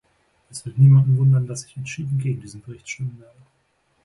Es wird niemanden wundern, dass ich entschieden gegen diesen Bericht stimmen werde.